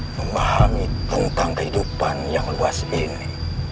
memahami tentang kehidupan yang luas ini